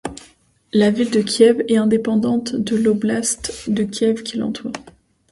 La ville de Kiev est indépendante de l'oblast de Kiev qui l'entoure.